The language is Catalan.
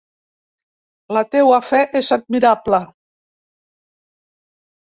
La teua fe és admirable.